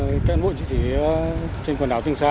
các cán bộ chiến sĩ trên quần đảo trường sa